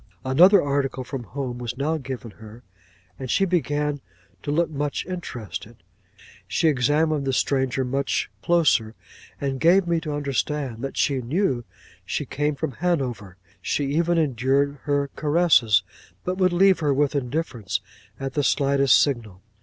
'Another article from home was now given her, and she began to look much interested; she examined the stranger much closer, and gave me to understand that she knew she came from Hanover; she even endured her caresses, but would leave her with indifference at the slightest signal.